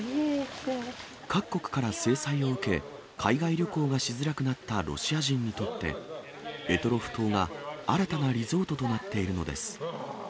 各国から制裁を受け、海外旅行がしづらくなったロシア人にとって、択捉島が新たなリゾートとなっているのです。